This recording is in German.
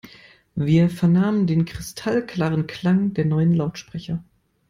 Wir vernahmen den kristallklaren Klang der neuen Lautsprecher.